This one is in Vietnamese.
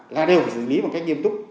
là đều phải xử lý bằng cách nghiêm túc